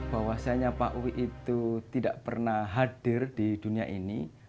bahwasannya pak wi itu tidak pernah hadir di dunia ini